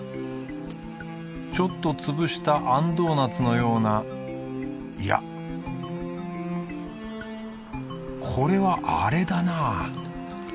ちょっと潰したあんドーナツのようないやこれはあれだな